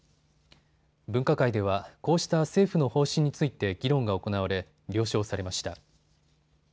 分科会ではこうした政府の方針について議論が行われ、了承されました。